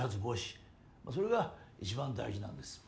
それが一番大事なんです。